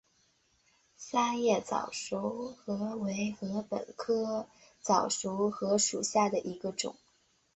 三叶早熟禾为禾本科早熟禾属下的一个种。